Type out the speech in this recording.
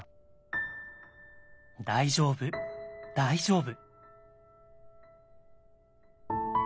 「大丈夫大丈夫」。